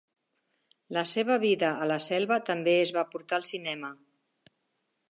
La seva vida a la selva també es va portar al cinema.